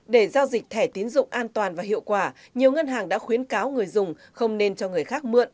để giao dịch thẻ tiến dụng an toàn và hiệu quả nhiều ngân hàng đã khuyến cáo người dùng không nên cho người khác mượn